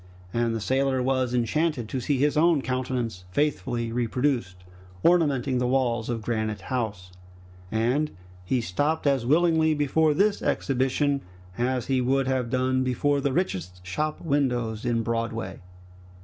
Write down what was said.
And the sailor was enchanted to see his own countenance, faithfully reproduced, ornamenting the walls of Granite House, and he stopped as willingly before this exhibition as he would have done before the richest shop windows in Broadway.